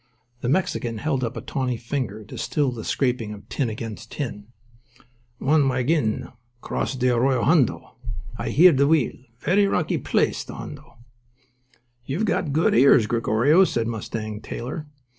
The Mexican held up a tawny finger to still the scraping of tin against tin. "One waggeen," said he, "cross dthe Arroyo Hondo. Ah hear dthe wheel. Verree rockee place, dthe Hondo." "You've got good ears, Gregorio," said Mustang Taylor.